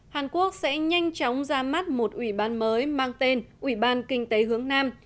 hàn quốc sẽ nhanh chóng ra mắt một ủy ban mới mang tên ủy ban kinh tế hướng nam